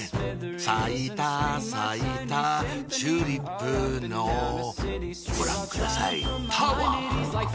さいたさいたチューリップのご覧くださいタワー！